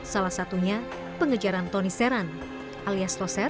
salah satunya pengejaran tony seran alias toset